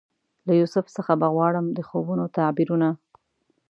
له یوسف څخه به غواړم د خوبونو تعبیرونه